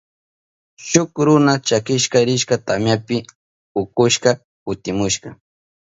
Shuk runa chakishka rishka tamyapi ukushka kutimushka.